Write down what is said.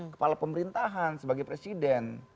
kepala pemerintahan sebagai presiden